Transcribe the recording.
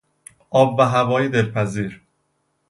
آب و هوای دلپذیر